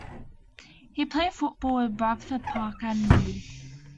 He played football with Bradford Park Avenue.